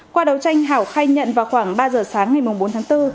qua đấu tranh hảo khai nhận vào khoảng ba giờ sáng ngày bốn tháng bốn